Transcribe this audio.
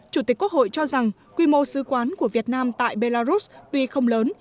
chủ tịch quốc hội cho rằng quy mô sứ quán của việt nam tại belarus tuy không lớn